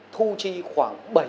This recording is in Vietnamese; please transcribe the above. thu chi khoảng bảy mươi tỷ